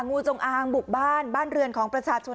งูจงอางบุกบ้านบ้านเรือนของประชาชน